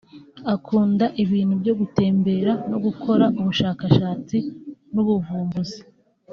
Akunda ibintu byo gutembera no gukora ubushakashatsi n’ubuvumbuzi